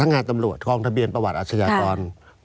สมัครงานจำลวทครองทะเบียนประวัติอาชญาตร